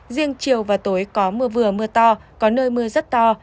riêng chiều và tối có mưa vừa mưa to có nơi mưa rất to